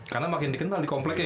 karena makin dikenal di kompleknya ya